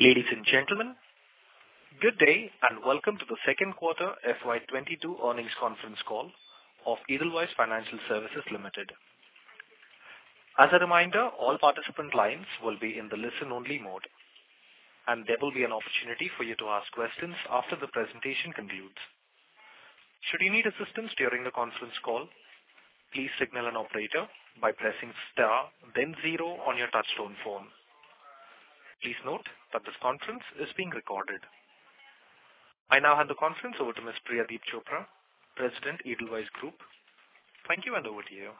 Ladies and gentlemen, good day and welcome to the second quarter FY 2022 earnings conference call of Edelweiss Financial Services Limited. As a reminder, all participant lines will be in the listen-only mode, and there will be an opportunity for you to ask questions after the presentation concludes. Should you need assistance during the conference call, please signal an operator by pressing star then zero on your touchtone phone. Please note that this conference is being recorded. I now hand the conference over to Ms. Priyadeep Chopra, President, Edelweiss Group. Thank you, and over to you.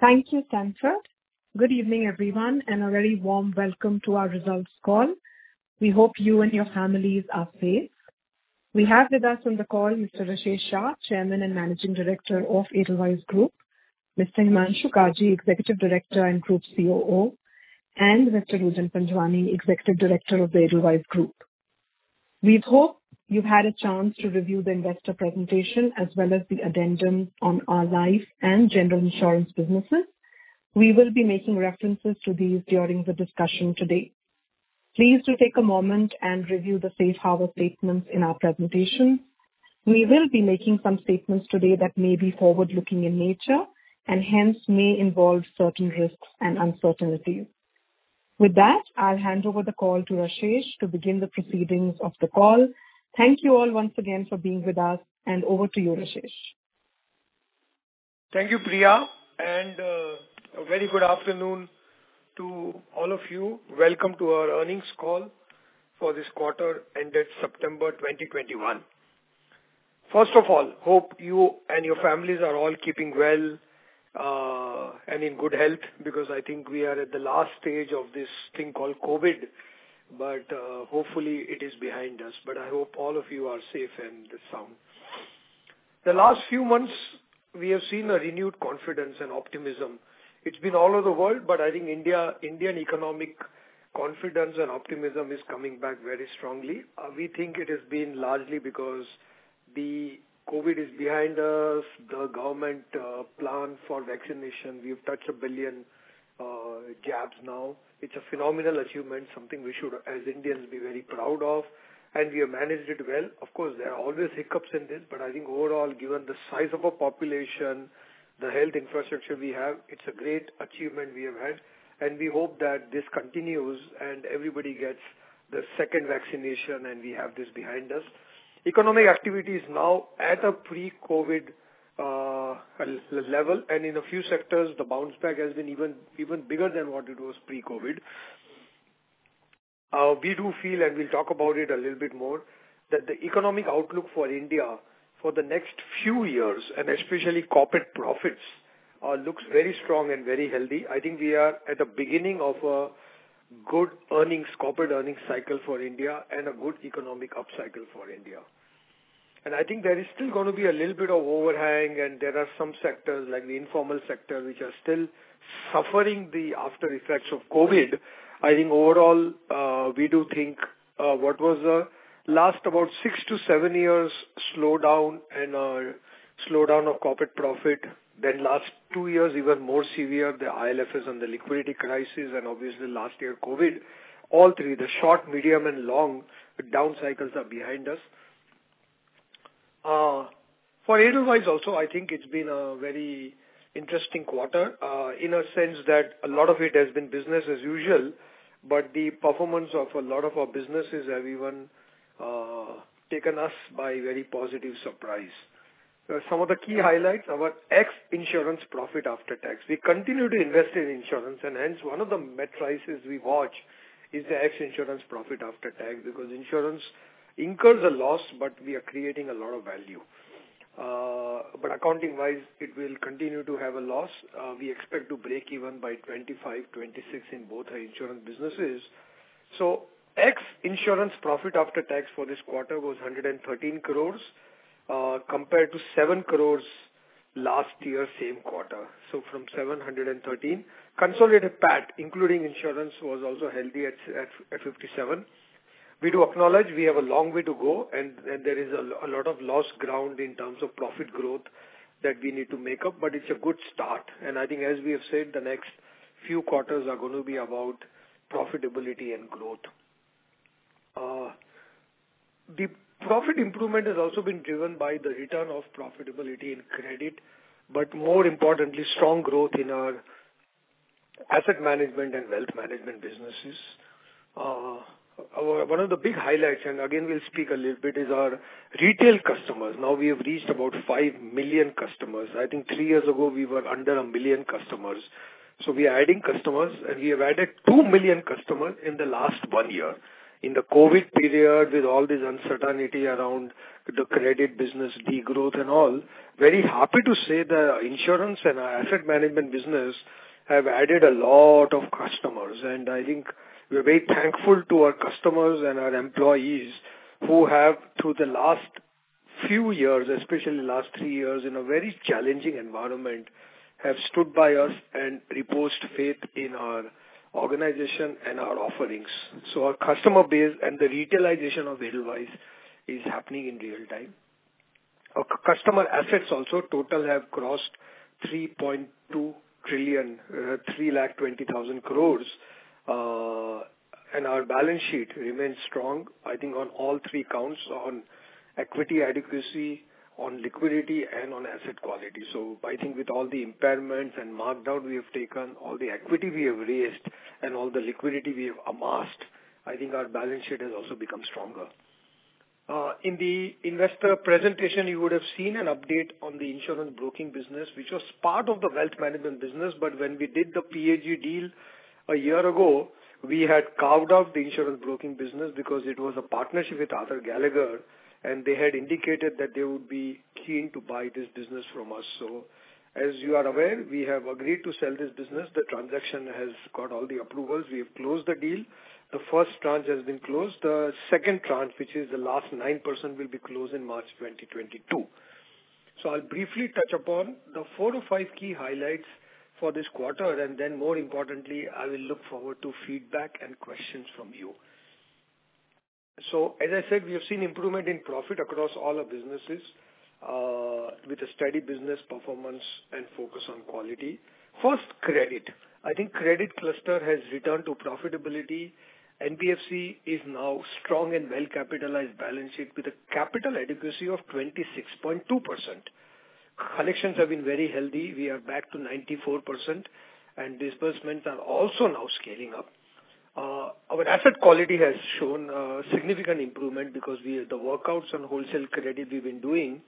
Thank you, Sanford. Good evening, everyone, and a very warm welcome to our results call. We hope you and your families are safe. We have with us on the call Mr. Rashesh Shah, Chairman and Managing Director of Edelweiss Group, Mr. Himanshu Kaji, Executive Director and Group COO, and Mr. Rujan Panjwani, Executive Director of the Edelweiss Group. We hope you've had a chance to review the investor presentation as well as the addendum on our life and general insurance businesses. We will be making references to these during the discussion today. Please do take a moment and review the safe harbor statements in our presentation. We will be making some statements today that may be forward-looking in nature and hence may involve certain risks and uncertainties. With that, I'll hand over the call to Rashesh to begin the proceedings of the call. Thank you all once again for being with us and over to you, Rashesh. Thank you, Priya, and a very good afternoon to all of you. Welcome to our earnings call for this quarter ended September 2021. First of all, I hope you and your families are all keeping well and in good health because I think we are at the last stage of this thing called COVID, but hopefully it is behind us. I hope all of you are safe and sound. The last few months we have seen a renewed confidence and optimism. It's been all over the world, but I think India. Indian economic confidence and optimism is coming back very strongly. We think it has been largely because the COVID is behind us, the government plan for vaccination. We've touched 1 billion jabs now. It's a phenomenal achievement, something we should, as Indians, be very proud of, and we have managed it well. Of course, there are always hiccups in this, but I think overall, given the size of our population, the health infrastructure we have, it's a great achievement we have had, and we hope that this continues and everybody gets the second vaccination and we have this behind us. Economic activity is now at a pre-COVID level, and in a few sectors the bounce back has been even bigger than what it was pre-COVID. We do feel, and we'll talk about it a little bit more, that the economic outlook for India for the next few years and especially corporate profits looks very strong and very healthy. I think we are at the beginning of a good earnings, corporate earnings cycle for India and a good economic upcycle for India. I think there is still gonna be a little bit of overhang and there are some sectors like the informal sector which are still suffering the after-effects of COVID. I think overall, we do think what was the last about six years to seven years slowdown of corporate profit, then last two years even more severe, the IL&FS and the liquidity crisis and obviously last year COVID, all three, the short, medium and long down cycles are behind us. For Edelweiss also I think it's been a very interesting quarter, in a sense that a lot of it has been business as usual, but the performance of a lot of our businesses have even taken us by very positive surprise. Some of the key highlights, our ex-insurance profit after tax. We continue to invest in insurance and hence one of the metrics we watch is the ex-insurance profit after tax because insurance incurs a loss, but we are creating a lot of value. But accounting-wise it will continue to have a loss. We expect to break even by 2025, 2026 in both our insurance businesses. Ex-insurance profit after tax for this quarter was 113 crore, compared to 7 crore last year same quarter. From 7 crore - 113 crore. Consolidated PAT including insurance was also healthy at 57. We do acknowledge we have a long way to go and there is a lot of lost ground in terms of profit growth that we need to make up, but it's a good start. I think as we have said, the next few quarters are gonna be about profitability and growth. The profit improvement has also been driven by the return of profitability in credit, but more importantly strong growth in our asset management and wealth management businesses. One of the big highlights, and again we'll speak a little bit, is our retail customers. Now we have reached about five million customers. I think three years ago we were under one million customers. We are adding customers and we have added two million customers in the last one year. In the COVID period with all this uncertainty around the credit business, degrowth and all, very happy to say that our insurance and our asset management business have added a lot of customers and I think we're very thankful to our customers and our employees who have through the last few years, especially last three years in a very challenging environment, have stood by us and reposed faith in our organization and our offerings. Our customer base and the retailization of Edelweiss is happening in real time. Our customer assets also total have crossed 3.2 trillion, 3 lakh 20,000 crores. Our balance sheet remains strong, I think on all three counts on equity adequacy, on liquidity and on asset quality. I think with all the impairments and markdown we have taken, all the equity we have raised and all the liquidity we have amassed, I think our balance sheet has also become stronger. In the investor presentation, you would have seen an update on the insurance brokerage business, which was part of the wealth management business. When we did the PAG deal a year ago, we had carved out the insurance brokerage business because it was a partnership with Arthur Gallagher, and they had indicated that they would be keen to buy this business from us. As you are aware, we have agreed to sell this business. The transaction has got all the approvals. We have closed the deal. The first tranche has been closed. The second tranche, which is the last 9%, will be closed in March 2022. I'll briefly touch upon the four to five key highlights for this quarter and then more importantly, I will look forward to feedback and questions from you. As I said, we have seen improvement in profit across all our businesses, with a steady business performance and focus on quality. First, credit. I think credit cluster has returned to profitability. NBFC is now strong and well-capitalized balance sheet with a capital adequacy of 26.2%. Collections have been very healthy. We are back to 94% and disbursements are also now scaling up. Our asset quality has shown significant improvement because we have the workouts and wholesale credit we've been doing.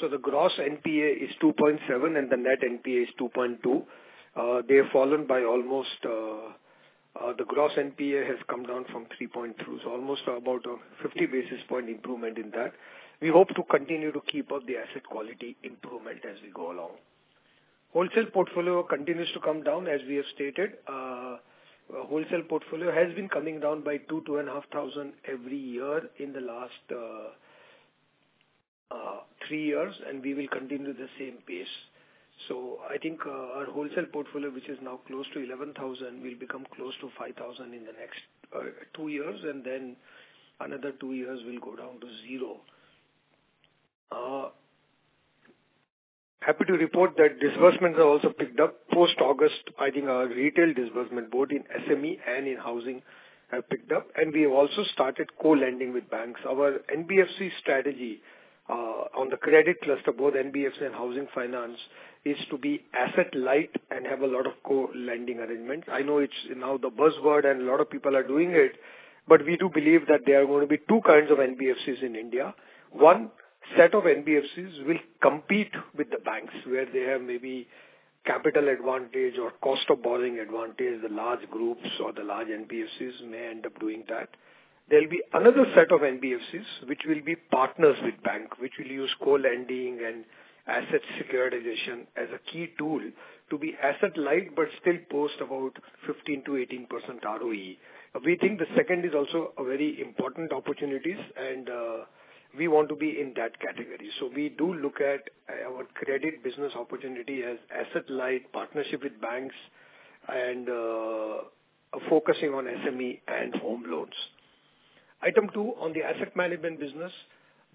The gross NPA is 2.7 and the net NPA is 2.2. They have fallen by almost the gross NPA has come down from 3.2%. Almost about a 50 basis point improvement in that. We hope to continue to keep up the asset quality improvement as we go along. Wholesale portfolio continues to come down as we have stated. Wholesale portfolio has been coming down by 2.5 thousand every year in the last three years, and we will continue the same pace. I think our wholesale portfolio, which is now close to 11,000 crore, will become close to 5,000 crore in the next two years and then another two years will go down to zero. Happy to report that disbursements are also picked up post August. I think our retail disbursement, both in SME and in housing, have picked up and we have also started co-lending with banks. Our NBFC strategy on the credit cluster, both NBFC and housing finance, is to be asset light and have a lot of co-lending arrangements. I know it's now the buzzword and a lot of people are doing it, but we do believe that there are going to be two kinds of NBFCs in India. One set of NBFCs will compete with the banks where they have maybe capital advantage or cost of borrowing advantage. The large groups or the large NBFCs may end up doing that. There'll be another set of NBFCs which will be partners with bank, which will use co-lending and asset securitization as a key tool to be asset light, but still post about 15%-18% ROE. We think the second is also a very important opportunities and we want to be in that category. We do look at our credit business opportunity as asset light partnership with banks and focusing on SME and home loans. Item two on the asset management business.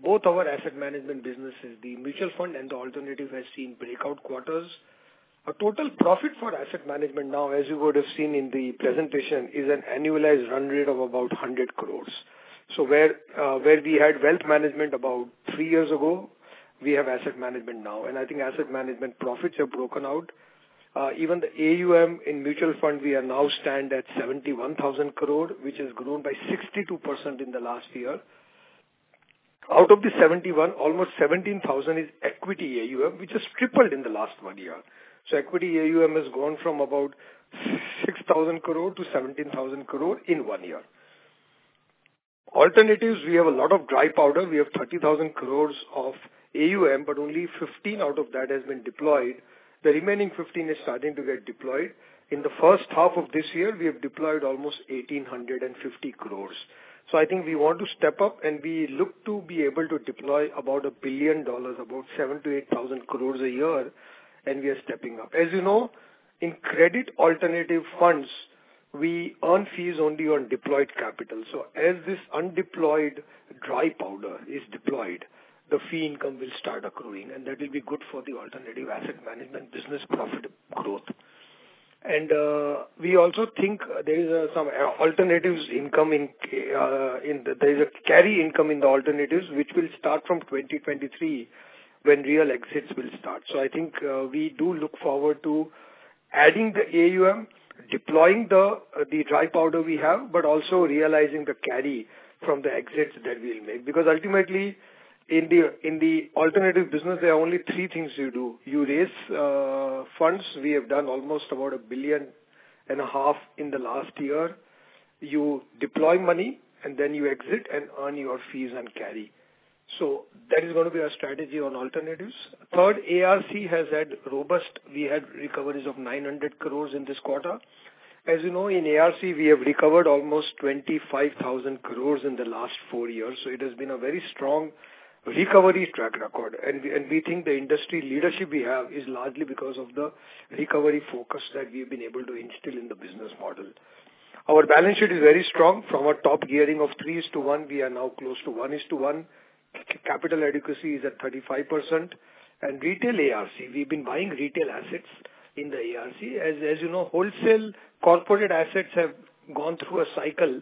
Both our asset management businesses, the mutual fund and the alternative, has seen breakout quarters. Our total profit for asset management now, as you would have seen in the presentation, is an annualized run rate of about 100 crores. Where we had wealth management about three years ago, we have asset management now, and I think asset management profits have broken out. Even the AUM in mutual fund, we now stand at 71,000 crore, which has grown by 62% in the last year. Out of the 71, almost 17,000 is equity AUM, which has tripled in the last one year. Equity AUM has grown from about 6,000 crore - 17,000 crore in one year. Alternatives, we have a lot of dry powder. We have 30,000 crore of AUM, but only 15 out of that has been deployed. The remaining 15 is starting to get deployed. In the first half of this year, we have deployed almost 1,850 crore. I think we want to step up and we look to be able to deploy about $1 billion, about 7,000 crore - 8,000 crore a year, and we are stepping up. As you know, in credit alternative funds, we earn fees only on deployed capital. As this undeployed dry powder is deployed, the fee income will start accruing and that will be good for the alternative asset management business profit growth. We also think there is some alternatives income in the alternatives, there's a carry income in the alternatives, which will start from 2023 when real exits will start. I think we do look forward to adding the AUM, deploying the dry powder we have, but also realizing the carry from the exits that we'll make. Because ultimately in the alternative business, there are only three things you do. You raise funds. We have done almost about 1.5 billion in the last year. You deploy money and then you exit and earn your fees and carry. That is gonna be our strategy on alternatives. Third, ARC has had robust. We had recoveries of 900 crore in this quarter. As you know, in ARC, we have recovered almost 25,000 crore in the last four years. So it has been a very strong recovery track record. We think the industry leadership we have is largely because of the recovery focus that we've been able to instill in the business model. Our balance sheet is very strong. From our top gearing of 3:1, we are now close to 1:1. Capital adequacy is at 35%. Retail ARC, we've been buying retail assets in the ARC. As you know, wholesale corporate assets have gone through a cycle.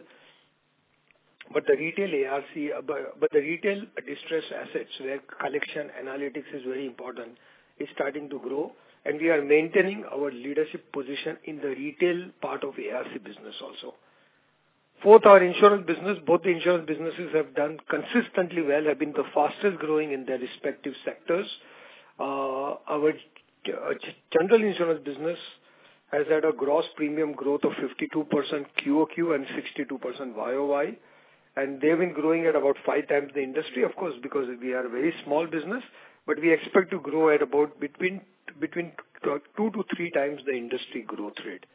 The retail ARC, the retail distressed assets where collection analytics is very important is starting to grow, and we are maintaining our leadership position in the retail part of ARC business also. Fourth, our insurance business. Both the insurance businesses have done consistently well, have been the fastest growing in their respective sectors. Our general insurance business has had a gross premium growth of 52% QOQ and 62% YOY, and they've been growing at about 5x the industry. Of course, because we are a very small business, but we expect to grow at about between 2x-3x the industry growth rate.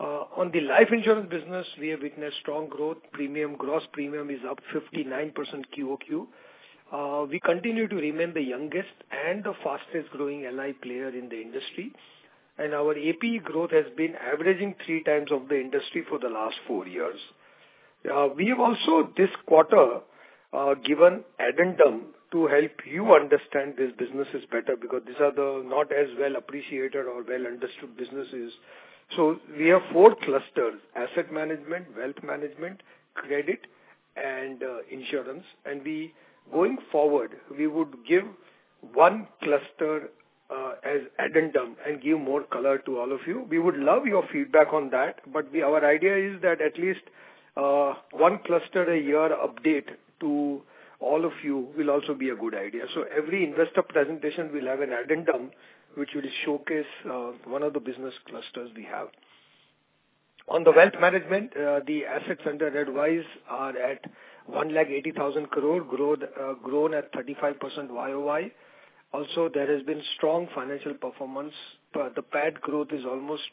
On the life insurance business, we have witnessed strong growth. Premium, gross premium is up 59% QOQ. We continue to remain the youngest and the fastest growing LI player in the industry, and our APE growth has been averaging three times of the industry for the last four years. We have also this quarter given addendum to help you understand these businesses better because these are the not as well appreciated or well understood businesses. We have four clusters: asset management, wealth management, credit and insurance. Going forward, we would give one cluster as addendum and give more color to all of you. We would love your feedback on that, but our idea is that at least one cluster a year update to all of you will also be a good idea. Every investor presentation will have an addendum which will showcase one of the business clusters we have. On the wealth management, the assets under advice are at 180,000 crore, grown at 35% YOY. Also, there has been strong financial performance. The PAD growth is almost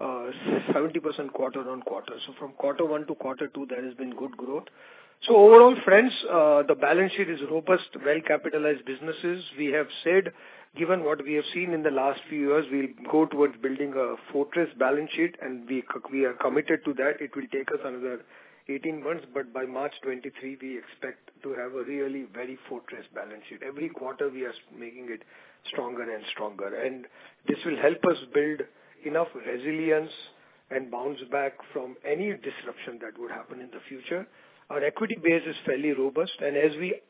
70% quarter-over-quarter. From quarter one to quarter two, there has been good growth. Overall, friends, the balance sheet is robust, well-capitalized businesses. We have said, given what we have seen in the last few years, we'll go towards building a fortress balance sheet and we are committed to that. It will take us another 18 months, but by March 2023 we expect to have a really very fortress balance sheet. Every quarter we are making it stronger and stronger. This will help us build enough resilience and bounce back from any disruption that would happen in the future. Our equity base is fairly robust and as we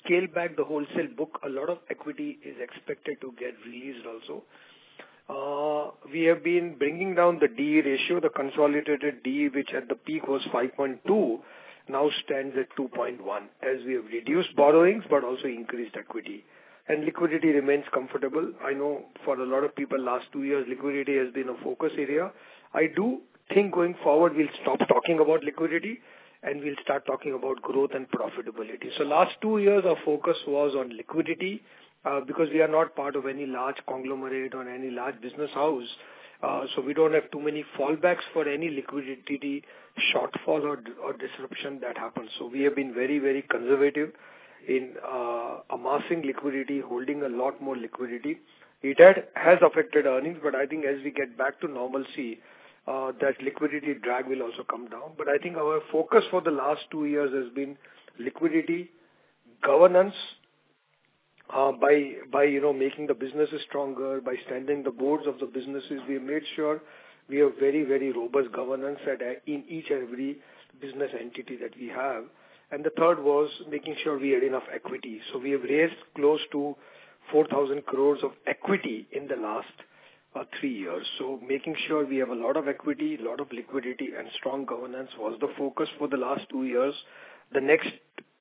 scale back the wholesale book, a lot of equity is expected to get released also. We have been bringing down the D/E ratio. The consolidated D/E, which at the peak was 5.2, now stands at 2.1 as we have reduced borrowings but also increased equity. Liquidity remains comfortable. I know for a lot of people last two years, liquidity has been a focus area. I do think going forward we'll stop talking about liquidity and we'll start talking about growth and profitability. Last two years, our focus was on liquidity, because we are not part of any large conglomerate or any large business house, so we don't have too many fallbacks for any liquidity shortfall or disruption that happens. We have been very, very conservative in amassing liquidity, holding a lot more liquidity. It has affected earnings, but I think as we get back to normalcy, that liquidity drag will also come down. I think our focus for the last two years has been liquidity, governance by you know making the businesses stronger. By strengthening the boards of the businesses, we have made sure we have very, very robust governance in each and every business entity that we have. The third was making sure we had enough equity. We have raised close to 4,000 crore of equity in the last three years. Making sure we have a lot of equity, lot of liquidity and strong governance was the focus for the last two years. The next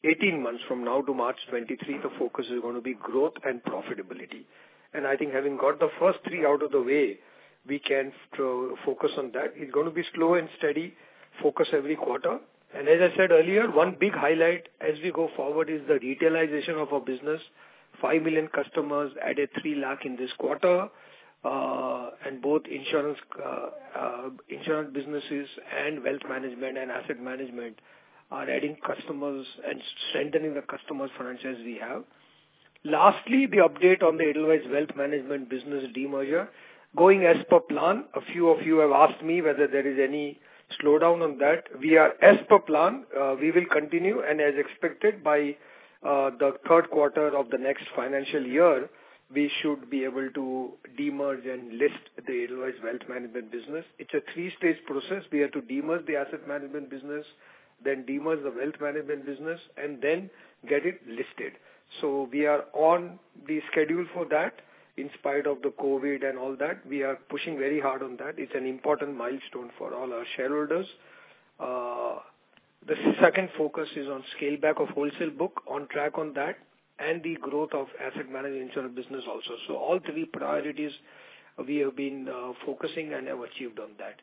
18 months from now to March 2023, the focus is gonna be growth and profitability. I think having got the first three out of the way, we can focus on that. It's gonna be slow and steady focus every quarter. As I said earlier, one big highlight as we go forward is the retailization of our business. Five million customers added 3 lakh in this quarter, and both insurance businesses and wealth management and asset management are adding customers and strengthening the customer franchise we have. Lastly, the update on the Edelweiss Wealth Management business demerger. Going as per plan. A few of you have asked me whether there is any slowdown on that. We are as per plan. We will continue and as expected by the third quarter of the next financial year, we should be able to demerge and list the Edelweiss Wealth Management business. It's a three-stage process. We have to demerge the asset management business, then demerge the wealth management business and then get it listed. We are on the schedule for that in spite of the COVID and all that. We are pushing very hard on that. It's an important milestone for all our shareholders. The second focus is on scale back of wholesale book, on track on that, and the growth of asset management insurance business also. All three priorities we have been focusing and have achieved on that.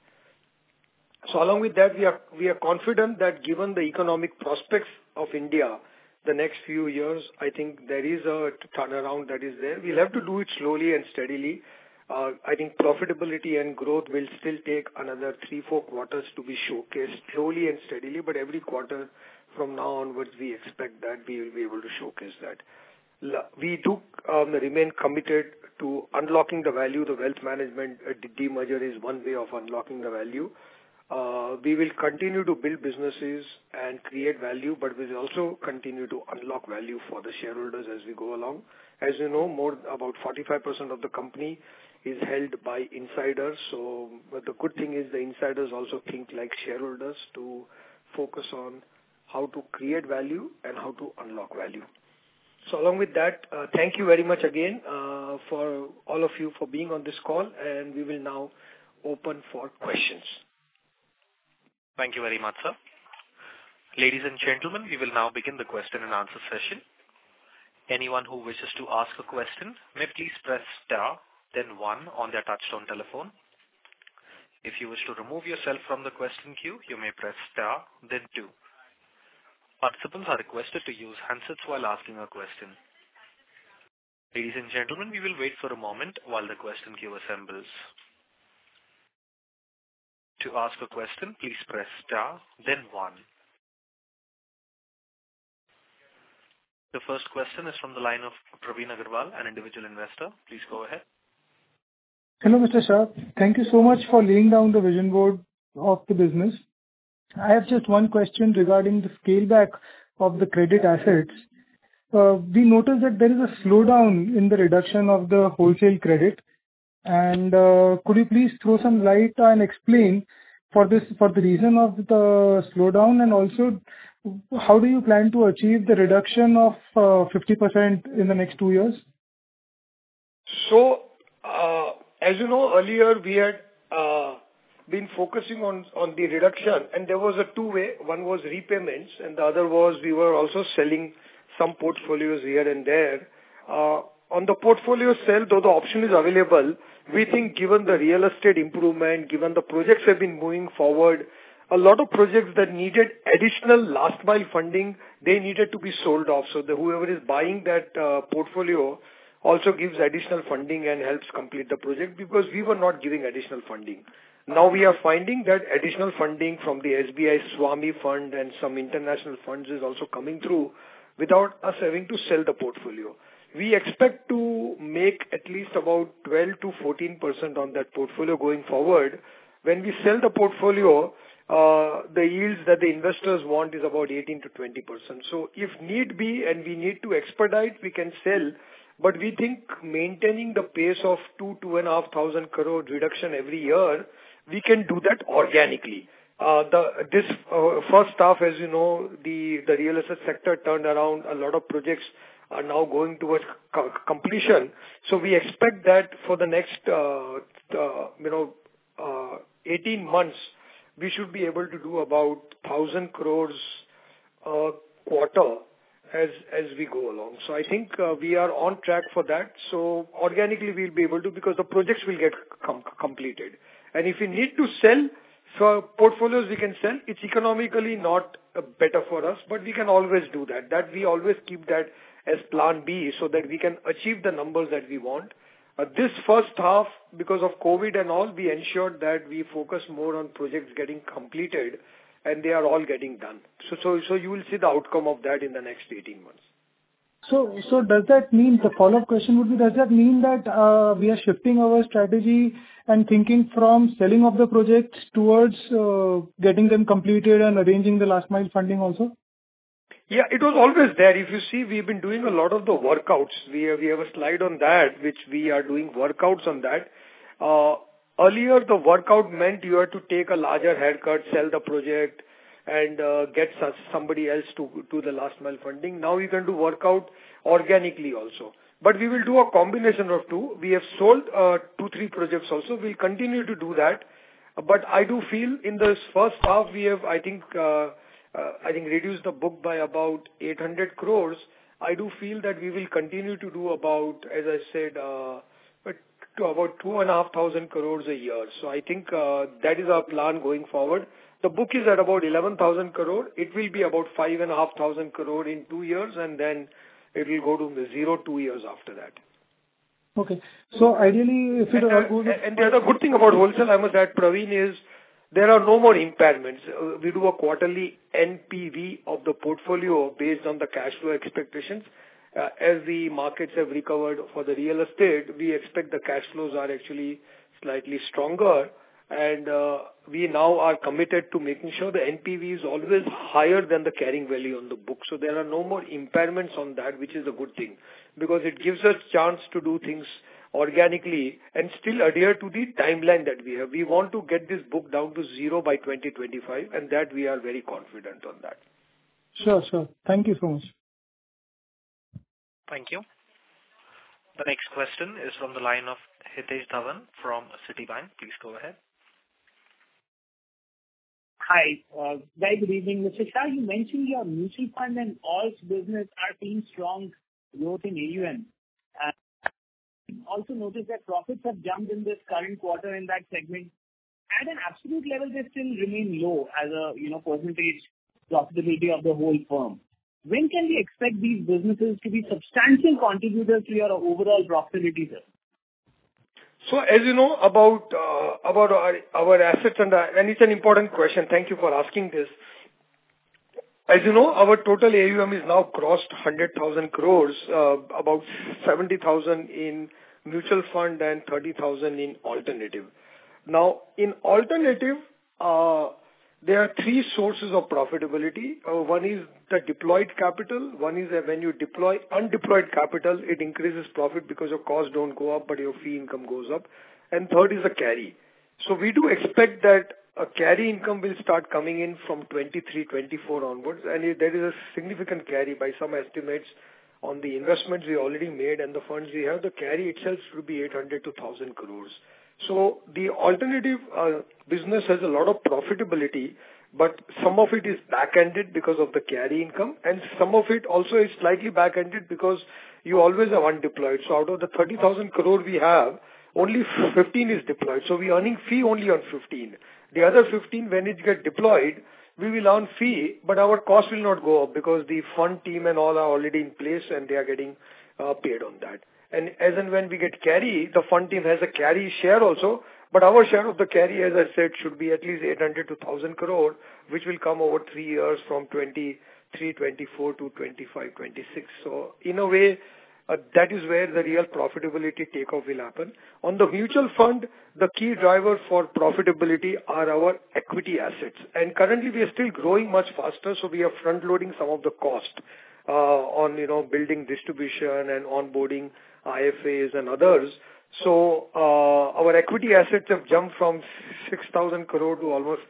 Along with that, we are confident that given the economic prospects of India, the next few years, I think there is a turnaround that is there. We'll have to do it slowly and steadily. I think profitability and growth will still take another three, four quarters to be showcased slowly and steadily. Every quarter from now onwards, we expect that we will be able to showcase that. We do remain committed to unlocking the value. The wealth management demerger is one way of unlocking the value. We will continue to build businesses and create value, but we'll also continue to unlock value for the shareholders as we go along. As you know, about 45% of the company is held by insiders. The good thing is the insiders also think like shareholders to focus on how to create value and how to unlock value. Along with that, thank you very much again, for all of you for being on this call, and we will now open for questions. Thank you very much, sir. Ladies and gentlemen, we will now begin the question and answer session. Anyone who wishes to ask a question may please press star then one on their touch-tone telephone. If you wish to remove yourself from the question queue, you may press star then two. Participants are requested to use handsets while asking a question. Ladies and gentlemen, we will wait for a moment while the question queue assembles. To ask a question, please press star then one. The first question is from the line of Praveen Agarwal, an individual investor. Please go ahead. Hello, Mr. Shah. Thank you so much for laying down the vision board of the business. I have just one question regarding the scale back of the credit assets. We noticed that there is a slowdown in the reduction of the wholesale credit. Could you please throw some light and explain for this, for the reason of the slowdown and also how do you plan to achieve the reduction of 50% in the next two years? As you know, earlier we had been focusing on the reduction, and there was a two-way. One was repayments, and the other was we were also selling some portfolios here and there. On the portfolio sale, though the option is available, we think given the real estate improvement, given the projects have been moving forward, a lot of projects that needed additional last mile funding, they needed to be sold off. Whoever is buying that portfolio also gives additional funding and helps complete the project because we were not giving additional funding. Now we are finding that additional funding from the SBI SWAMIH Fund and some international funds is also coming through without us having to sell the portfolio. We expect to make at least about 12%-14% on that portfolio going forward. When we sell the portfolio, the yields that the investors want is about 18%-20%. If need be, and we need to expedite, we can sell. We think maintaining the pace of 2,000 crore-2,500 crore reduction every year, we can do that organically. This first half, as you know, the real estate sector turned around. A lot of projects are now going towards completion. We expect that for the next, you know, 18 months, we should be able to do about 1,000 crores a quarter as we go along. I think we are on track for that. Organically we'll be able to because the projects will get completed. If we need to sell, for portfolios we can sell. It's economically not better for us, but we can always do that. That we always keep that as plan B so that we can achieve the numbers that we want. This first half, because of COVID and all, we ensured that we focus more on projects getting completed and they are all getting done. You will see the outcome of that in the next 18 months. The follow-up question would be, does that mean that we are shifting our strategy and thinking from selling of the projects towards getting them completed and arranging the last mile funding also? Yeah, it was always there. If you see, we've been doing a lot of the workouts. We have a slide on that, which we are doing workouts on that. Earlier, the workout meant you had to take a larger haircut, sell the project, and get somebody else to do the last mile funding. Now you can do workout organically also. We will do a combination of two. We have sold two, three projects also. We'll continue to do that. I do feel in this first half we have, I think, I think reduced the book by about 800 crore. I do feel that we will continue to do about, as I said, about 2,500 crore a year. I think that is our plan going forward. The book is at about 11,000 crore. It will be about 5,500 crore in two years, and then it will go to zero two years after that. Okay. Ideally if we are going. The other good thing about wholesale, Praveen, is there are no more impairments. We do a quarterly NPV of the portfolio based on the cash flow expectations. As the markets have recovered for the real estate, we expect the cash flows are actually slightly stronger and we now are committed to making sure the NPV is always higher than the carrying value on the book. There are no more impairments on that, which is a good thing because it gives us chance to do things organically and still adhere to the timeline that we have. We want to get this book down to zero by 2025, and that we are very confident on that. Sure, sir. Thank you so much. Thank you. The next question is from the line of Hitesh Dhawan from Citibank. Please go ahead. Hi. Guys, good evening. Mr. Shah, you mentioned your mutual fund and alts business are seeing strong growth in AUM. Also noticed that profits have jumped in this current quarter in that segment. At an absolute level, they still remain low as a, you know, percentage profitability of the whole firm. When can we expect these businesses to be substantial contributors to your overall profitability, sir? As you know about our assets and it's an important question, thank you for asking this. As you know, our total AUM has now crossed 100,000 crore, about 70,000 crore in mutual fund and 30,000 crore in alternative. Now, in alternative, there are three sources of profitability. One is the deployed capital, one is when you deploy undeployed capital, it increases profit because your costs don't go up, but your fee income goes up. Third is the carry. We do expect that a carry income will start coming in from 2023, 2024 onwards. That is a significant carry by some estimates on the investments we already made and the funds we have. The carry itself should be 800 crore-1,000 crore. The alternative business has a lot of profitability, but some of it is back-ended because of the carry income, and some of it also is slightly back-ended because you always are undeployed. Out of the 30,000 crore we have, only 15,000 is deployed, so we're earning fee only on 15,000. The other 15,000, when it get deployed, we will earn fee, but our cost will not go up because the front team and all are already in place and they are getting paid on that. As and when we get carry, the front team has a carry share also, but our share of the carry, as I said, should be at least 800 crore-1,000 crore, which will come over three years from 2023, 2024 to 2025, 2026. In a way, that is where the real profitability takeoff will happen. On the mutual fund, the key driver for profitability are our equity assets. Currently we are still growing much faster, so we are front-loading some of the cost on you know building distribution and onboarding IFAs and others. Our equity assets have jumped from 6,000 crore to almost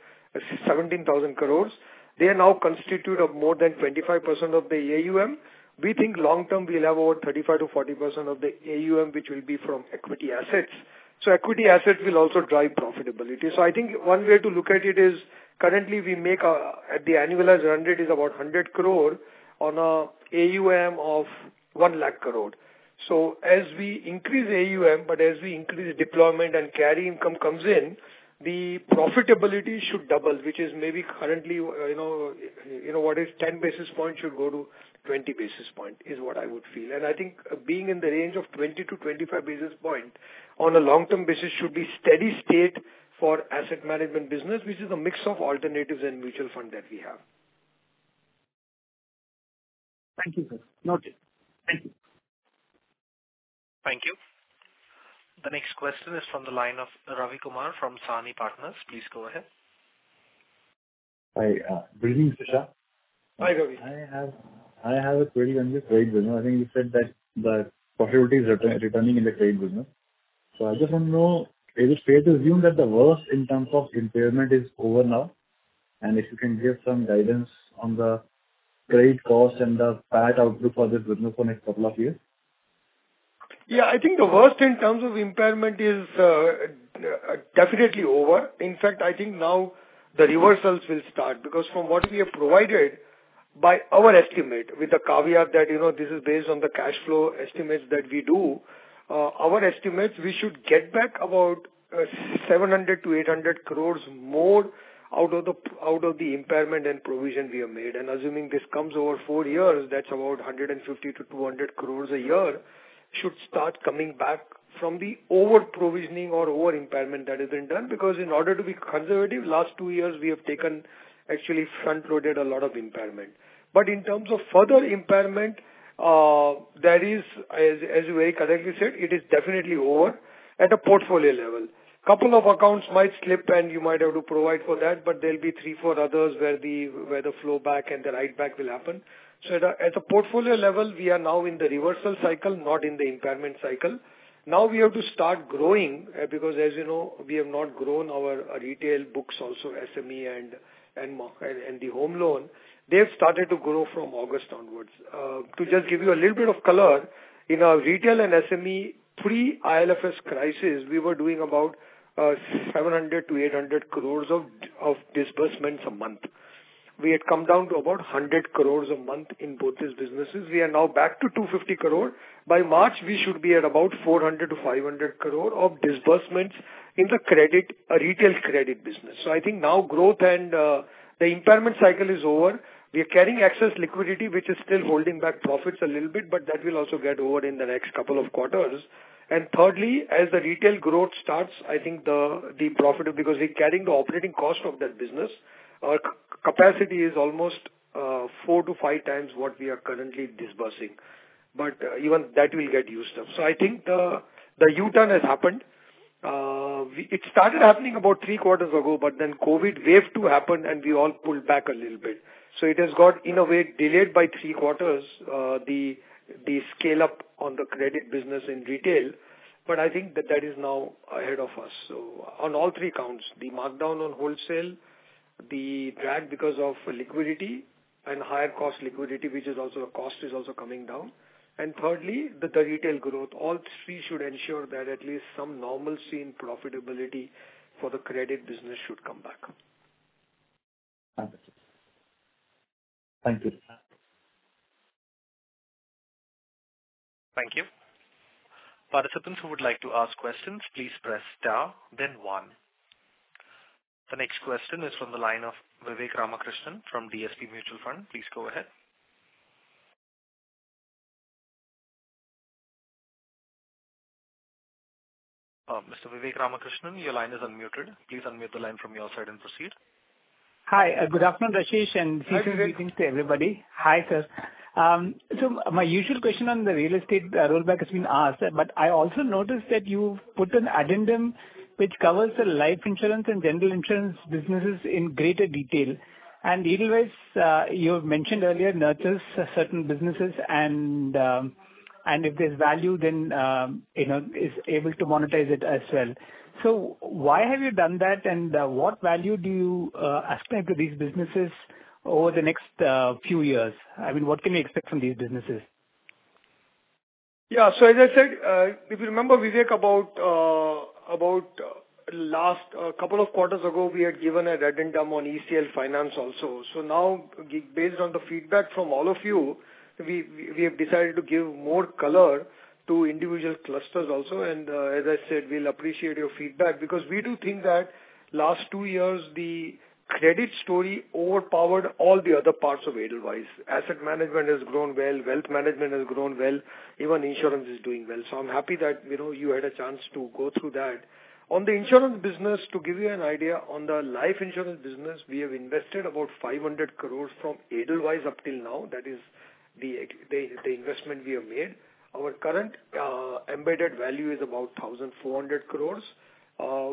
17,000 crore. They now constitute of more than 25% of the AUM. We think long term we'll have over 35%-40% of the AUM, which will be from equity assets. Equity assets will also drive profitability. I think one way to look at it is currently we make at the annualized run rate is about 100 crore on a AUM of 1 lakh crore. As we increase AUM, but as we increase deployment and carry income comes in, the profitability should double, which is maybe currently. If 10 basis points should go to 20 basis points is what I would feel. I think being in the range of 20 basis points-25 basis points on a long-term basis should be steady state for asset management business, which is a mix of alternatives and mutual fund that we have. Thank you, sir. Noted. Thank you. Thank you. The next question is from the line of Ravi Kumar from Sahni Partners. Please go ahead. Hi. Good evening, Shah. Hi, Ravi. I have a query on your trade business. I think you said that the profitability is returning in the trade business. So I just want to know, is it fair to assume that the worst in terms of impairment is over now? If you can give some guidance on the trade costs and the bad outlook for this business for next couple of years. Yeah, I think the worst in terms of impairment is definitely over. In fact, I think now the reversals will start because from what we have provided by our estimate, with the caveat that, you know, this is based on the cash flow estimates that we do. Our estimates, we should get back about INR 700crores-INR 800 crores more out of the impairment and provision we have made. Assuming this comes over four years, that's about 150 crores-200 crores a year should start coming back from the over-provisioning or over-impairment that has been done. Because in order to be conservative, last two years we have taken, actually front-loaded a lot of impairment. But in terms of further impairment, that is as you very correctly said, it is definitely over at a portfolio level. Couple of accounts might slip and you might have to provide for that, but there'll be three, four others where the flow back and the write back will happen. At a portfolio level, we are now in the reversal cycle, not in the impairment cycle. Now we have to start growing, because as you know, we have not grown our retail books also, SME and mortgage and the home loan. They have started to grow from August onwards. Yes. To just give you a little bit of color, in our retail and SME pre-IL&FS crisis, we were doing about 700 crore-800 crore of disbursements a month. We had come down to about 100 crore a month in both these businesses. We are now back to 250 crore. By March, we should be at about 400 crore-500 crore of disbursements in the credit retail credit business. I think now growth and the impairment cycle is over. We are carrying excess liquidity, which is still holding back profits a little bit, but that will also get over in the next couple of quarters. Thirdly, as the retail growth starts, I think the profit because we're carrying the operating cost of that business. Our capacity is almost 4x-5x what we are currently disbursing. Even that will get used up. I think the U-turn has happened. It started happening about three quarters ago, but then COVID wave two happened and we all pulled back a little bit. It has got, in a way, delayed by three quarters, the scale-up on the credit business in retail. I think that is now ahead of us. On all three counts, the markdown on wholesale, the drag because of liquidity and higher cost liquidity, which is also a cost, is also coming down. Thirdly, the retail growth. All three should ensure that at least some normalcy in profitability for the credit business should come back. Understood. Thank you. Thank you. Participants who would like to ask questions, please press star then one. The next question is from the line of Vivek Ramakrishnan from DSP Mutual Fund. Please go ahead. Mr. Vivek Ramakrishnan, your line is unmuted. Please unmute the line from your side and proceed. Hi, good afternoon, Rashesh. Hi, Vivek. Season's greetings to everybody. Hi, sir. My usual question on the real estate rollback has been asked, but I also noticed that you've put an addendum which covers the life insurance and general insurance businesses in greater detail. Otherwise, you have mentioned earlier nurtures certain businesses and if there's value then, you know, is able to monetize it as well. Why have you done that, and what value do you ascribe to these businesses over the next few years? I mean, what can we expect from these businesses? Yeah. As I said, if you remember, Vivek, about last couple of quarters ago, we had given an addendum on ECL Finance also. Based on the feedback from all of you, we have decided to give more color to individual clusters also. As I said, we'll appreciate your feedback because we do think that last two years, the credit story overpowered all the other parts of Edelweiss. Asset management has grown well, wealth management has grown well, even insurance is doing well. I'm happy that, you know, you had a chance to go through that. On the insurance business, to give you an idea, on the life insurance business we have invested about 500 crore from Edelweiss up till now. That is the investment we have made. Our current embedded value is about 1,400 crore.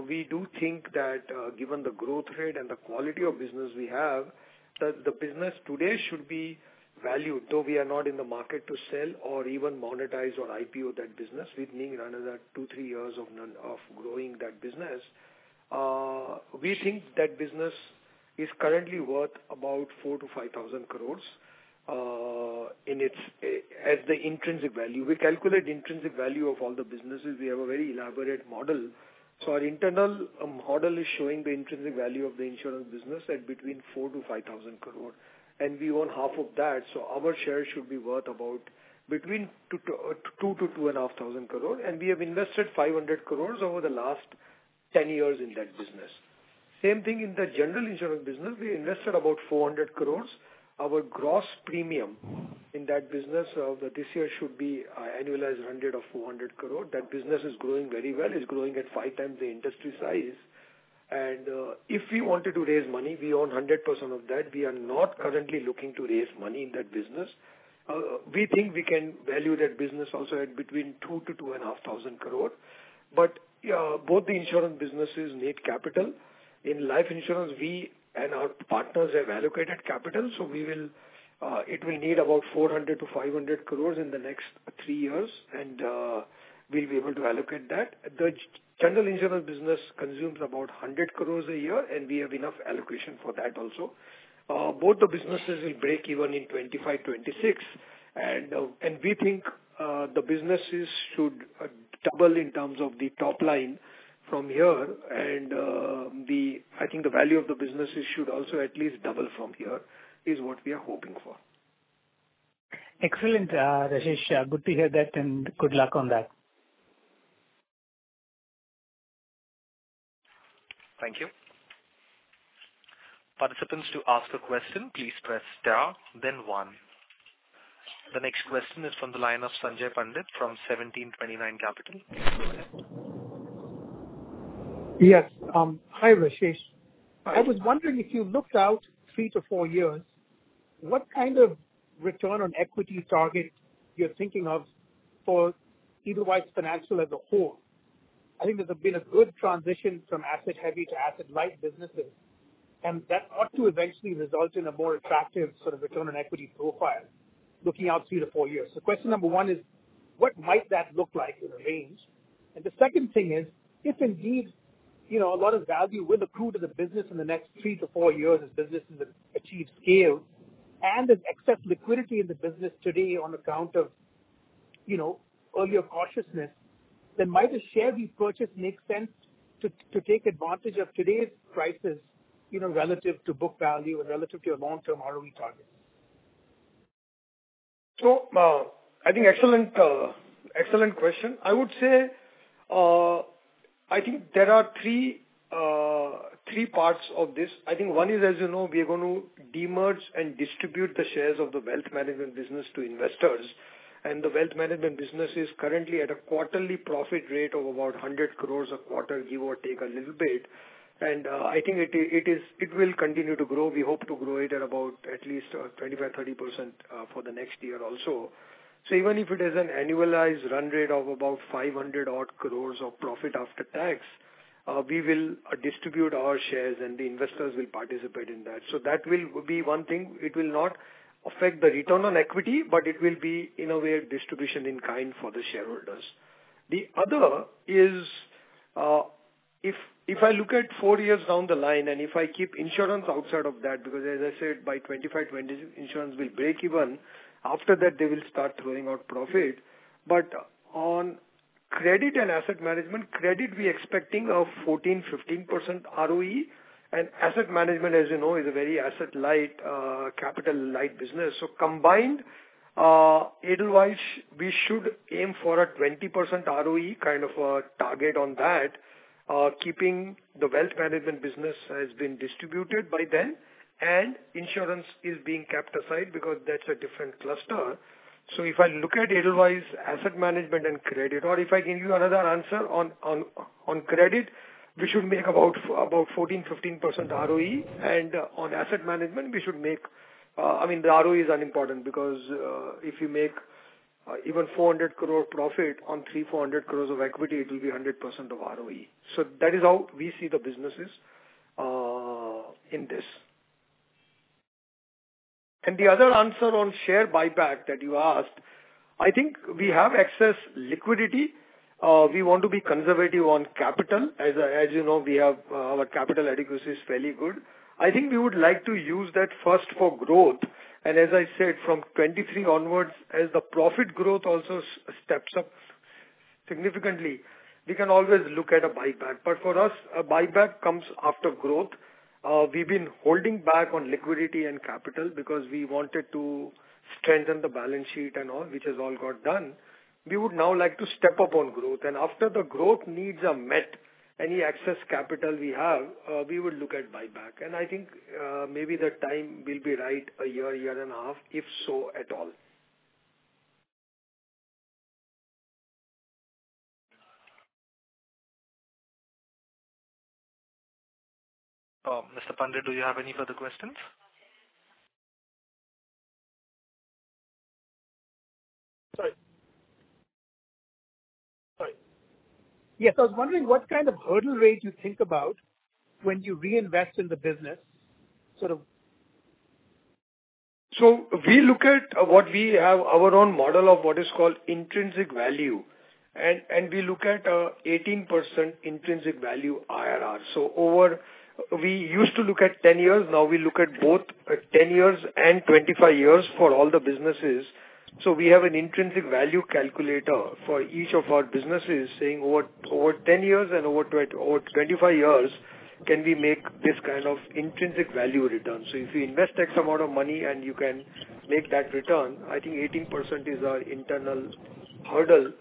We do think that, given the growth rate and the quality of business we have, that the business today should be valued, though we are not in the market to sell or even monetize or IPO that business. We need another two to three years of growing that business. We think that business is currently worth about 4,000 crores-5,000 crores in its as the intrinsic value. We calculate the intrinsic value of all the businesses. We have a very elaborate model. Our internal model is showing the intrinsic value of the insurance business at between 4,000 crore-5,000 crore. We own half of that, so our share should be worth about between 2,000-2,500 crore. We have invested 500 crore over the last 10 years in that business. Same thing in the general insurance business. We invested about 400 crore. Our gross premium in that business of this year should be annualized 100 crore or 400 crore. That business is growing very well. It's growing at five times the industry size. If we wanted to raise money, we own 100% of that. We are not currently looking to raise money in that business. We think we can value that business also at between 2,000 crore-2,500 crore. Both the insurance businesses need capital. In life insurance, we and our partners have allocated capital, so we will, it will need about 400 crore-500 crore in the next three years. We'll be able to allocate that. The general insurance business consumes about 100 crore a year, and we have enough allocation for that also. Both the businesses will break even in 2025, 2026. We think the businesses should double in terms of the top line from here. I think the value of the businesses should also at least double from here, is what we are hoping for. Excellent, Rashesh. Good to hear that and good luck on that. The next question is from the line of Sanjay Pandit from 1729 Capital. Yes. Hi, Rashesh. Hi. I was wondering if you looked out three years to four years, what kind of return on equity target you're thinking of for Edelweiss Financial as a whole? I think there's been a good transition from asset heavy to asset light businesses, and that ought to eventually result in a more attractive sort of return on equity profile looking out three years to four years. Question number one is, what might that look like in a range? The second thing is, if indeed, you know, a lot of value will accrue to the business in the next three years to four years as businesses achieve scale and there's excess liquidity in the business today on account of, you know, earlier cautiousness, then might a share repurchase make sense to take advantage of today's prices, you know, relative to book value or relative to your long-term ROE targets? I think excellent question. I would say, I think there are three parts of this. I think one is, as you know, we are gonna demerge and distribute the shares of the wealth management business to investors. The wealth management business is currently at a quarterly profit rate of about 100 crores a quarter, give or take a little bit. I think it will continue to grow. We hope to grow it at about at least 25%-30% for the next year also. Even if it is an annualized run rate of about 500 odd crores of profit after tax, we will distribute our shares and the investors will participate in that. That will be one thing. It will not affect the return on equity, but it will be in a way a distribution in kind for the shareholders. The other is, if I look at four years down the line and if I keep insurance outside of that, because as I said, by 2025, 2026 insurance will break even. After that they will start throwing out profit. On credit and asset management, credit we are expecting a 14%, 15% ROE, and asset management, as you know, is a very asset light, capital light business. Combined, Edelweiss we should aim for a 20% ROE kind of a target on that, keeping the wealth management business has been distributed by then, and insurance is being kept aside because that's a different cluster. If I look at Edelweiss asset management and credit, or if I give you another answer on credit, we should make about 14%-15% ROE and on asset management, we should make. I mean, the ROE is unimportant because if you make even 400 crore profit on 300 crores-400 crores of equity, it will be 100% ROE. That is how we see the businesses in this. The other answer on share buyback that you asked, I think we have excess liquidity. We want to be conservative on capital. As you know, our capital adequacy is fairly good. I think we would like to use that first for growth. As I said, from 2023 onwards, as the profit growth also steps up significantly, we can always look at a buyback. But for us, a buyback comes after growth. We've been holding back on liquidity and capital because we wanted to strengthen the balance sheet and all which has all got done. We would now like to step up on growth. After the growth needs are met, any excess capital we have, we will look at buyback. I think, maybe the time will be right a year and a half, if so at all. Mr. Pandit, do you have any further questions? Sorry. Yes, I was wondering what kind of hurdle rates you think about when you reinvest in the business, sort of. We look at what we have our own model of what is called intrinsic value. We look at 18% intrinsic value IRR. We used to look at 10 years, now we look at both 10 years and 25 years for all the businesses. We have an intrinsic value calculator for each of our businesses saying over 10 years and over 25 years, can we make this kind of intrinsic value return? If you invest X amount of money and you can make that return, I think 18% is our internal hurdle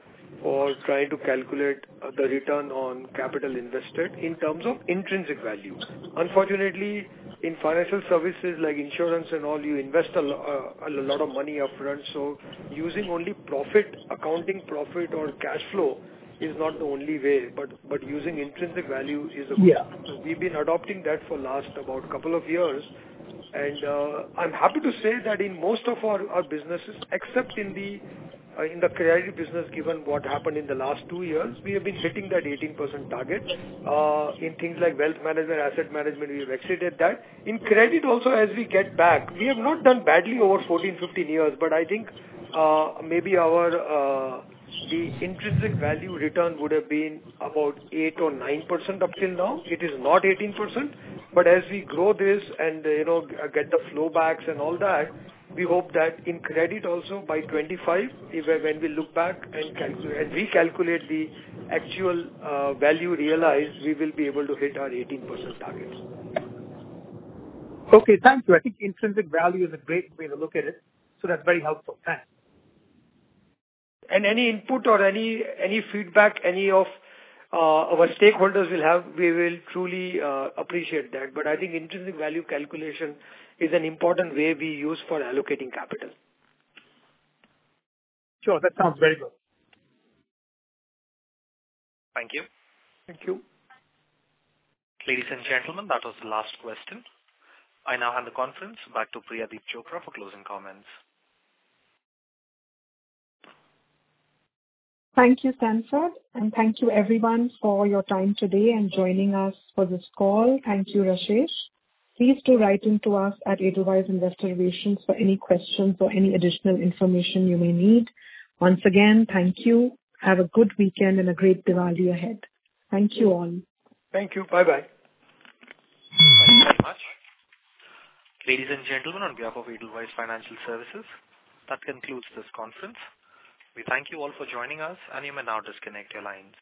for trying to calculate the return on capital invested in terms of intrinsic value. Unfortunately, in financial services like insurance and all, you invest a lot of money up front, so using only profit, accounting profit or cash flow is not the only way, but using intrinsic value is a way. Yeah. We've been adopting that for last about couple of years. I'm happy to say that in most of our businesses, except in the credit business, given what happened in the last two years, we have been hitting that 18% target. In things like wealth management, asset management, we have exceeded that. In credit also as we get back, we have not done badly over 14 years, 15 years, but I think, maybe our the intrinsic value return would have been about 8% or 9% up till now. It is not 18%. As we grow this and, you know, get the flowbacks and all that, we hope that in credit also by 2025, if when we look back and recalculate the actual value realized, we will be able to hit our 18% targets. Okay. Thank you. I think intrinsic value is a great way to look at it, so that's very helpful. Thanks. Any input or any feedback any of our stakeholders will have, we will truly appreciate that. I think intrinsic value calculation is an important way we use for allocating capital. Sure. That sounds very good. Thank you. Thank you. Ladies and gentlemen, that was the last question. I now hand the conference back to Priyadeep Chopra for closing comments. Thank you, Sanford. Thank you everyone for your time today and joining us for this call. Thank you, Rashesh. Please do write into us at Edelweiss Investor Relations for any questions or any additional information you may need. Once again, thank you. Have a good weekend and a great Diwali ahead. Thank you all. Thank you. Bye bye. Thank you very much. Ladies and gentlemen, on behalf of Edelweiss Financial Services, that concludes this conference. We thank you all for joining us, and you may now disconnect your lines.